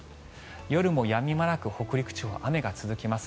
夜もやみ間なく北陸地方は雨が続きます。